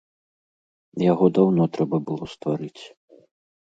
Яго даўно трэба было стварыць.